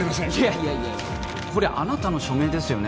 いやいやこれあなたの署名ですよね？